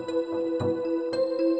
saya mau ke hotel ini